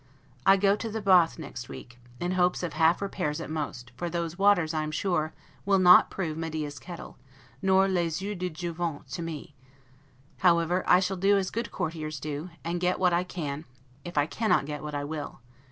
I go to the Bath next week, in hopes of half repairs at most; for those waters, I am sure, will not prove Medea's kettle, nor 'les eaux de Jouvence' to me; however, I shall do as good courtiers do, and get what I can, if I cannot get what I will.